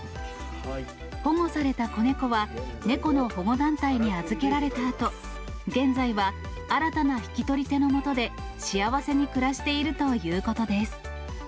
保護された子猫は、猫の保護団体に預けられたあと、現在は新たな引き取り手のもとで、幸せに暮らしているということです。